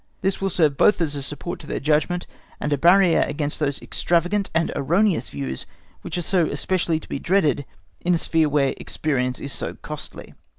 This will serve both as a support to their judgment and a barrier against those extravagant and erroneous views which are so especially to be dreaded in a sphere where experience is so costly.